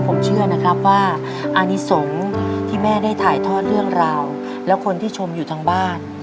ผมเชื่อนะครับว่าอานิสงฆ์ที่แม่ได้ถ่ายทอดเรื่องราวแล้วคนที่ชมอยู่ทางบ้าน